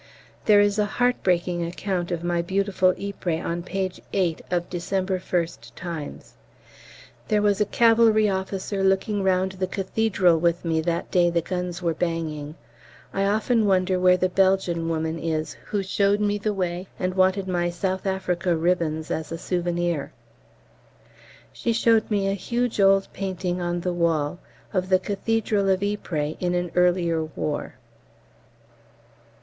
There is a heart breaking account of my beautiful Ypres on page 8 of December 1st 'Times.' There was a cavalry officer looking round the Cathedral with me that day the guns were banging. I often wonder where the Belgian woman is who showed me the way and wanted my S.A. ribbons as a souvenir. She showed me a huge old painting on the wall of the Cathedral of Ypres in an earlier war.